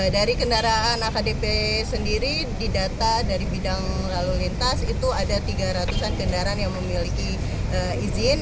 dari kendaraan akdp sendiri di data dari bidang lalu lintas itu ada tiga ratus an kendaraan yang memiliki izin